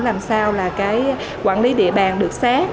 làm sao quản lý địa bàn được xét